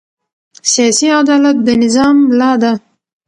سیاسي عدالت د نظام ملا ده